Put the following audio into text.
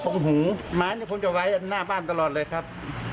หูไม้นี่คงจะไว้หน้าบ้านตลอดเลยครับ